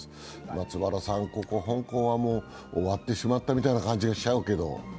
松原さん、香港は終わってしまったみたいな感じがしちゃいますけど。